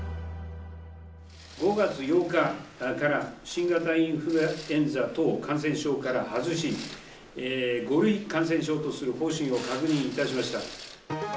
５月８日から、新型インフルエンザ等感染症から外し、５類感染症とする方針を確認いたしました。